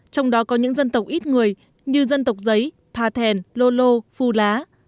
trong đó có những dân tộc ít người như dân tộc giấy pa thèn lô lô phu lá